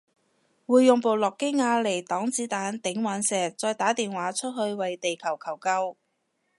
會用部諾基亞嚟擋子彈頂隕石再打電話出去為地球求救